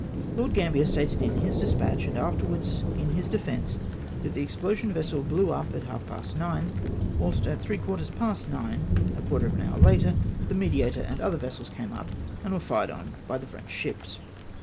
Lord. Gambier stated in his despatch, and afterwards in his defence, that the explosion vessel blew up at half past nine, whilst at three quarters past nine [a quarter of an hour later\ the Mediator and other vessels came up, and were fired on by the French ships